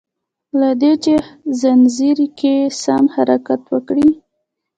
له دي چي ځنځير کی سم حرکت وکړي